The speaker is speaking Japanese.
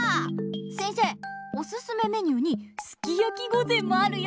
せんせいおすすめメニューにすき焼き御膳もあるよ。